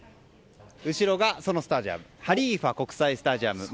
後ろがスタジアムハリファ国際スタジアムです。